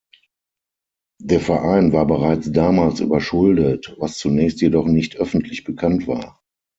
Der Verein war bereits damals überschuldet, was zunächst jedoch nicht öffentlich bekannt war.